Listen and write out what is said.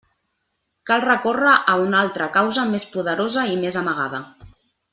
Cal recórrer a una altra causa més poderosa i més amagada.